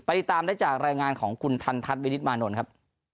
ติดตามได้จากรายงานของคุณทันทัศน์วินิตมานนท์ครับ